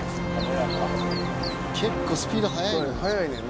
結構スピード速いのよ。